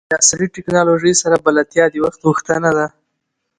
د عصري ټکنالوژۍ سره بلدتیا د وخت غوښتنه ده.